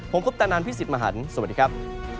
ผมคุปตะนันพี่สิทธิ์มหันฯสวัสดีครับ